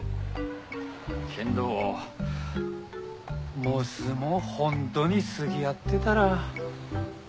けんどもしも本当に好き合っでたら。